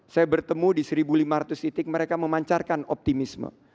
saya bertemu di satu lima ratus titik mereka memancarkan optimisme